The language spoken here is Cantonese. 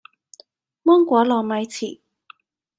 芒果糯米糍